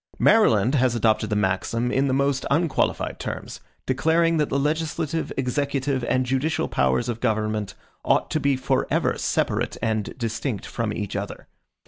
Maryland has adopted the maxim in the most unqualified terms; declaring that the legislative, executive, and judicial powers of government ought to be forever separate and distinct from each other.